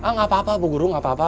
nggak apa apa bu guru nggak apa apa